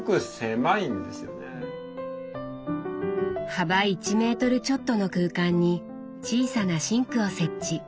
幅１メートルちょっとの空間に小さなシンクを設置。